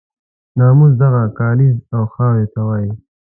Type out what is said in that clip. ناموس دغه کاریز او خاورې ته وایي.